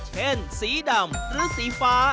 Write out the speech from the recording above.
เช่นสีดำหรือสีฟ้า